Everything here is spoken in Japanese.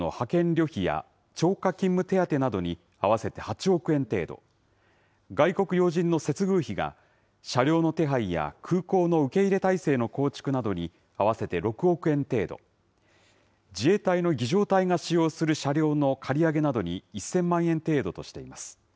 旅費や超過勤務手当などに合わせて８億円程度、外国要人の接遇費が車両の手配や空港の受け入れ体制の構築などに合わせて６億円程度、自衛隊の儀じょう隊が使用する車両の借り上げなどに１０００万円程度としています。